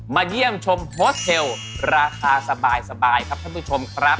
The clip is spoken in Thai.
เยี่ยมชมโฮสเทลราคาสบายครับท่านผู้ชมครับ